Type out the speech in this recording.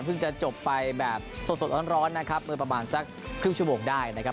เพิ่งจะจบไปแบบสดร้อนนะครับประมาณสักคริบชั่วโบคได้นะครับ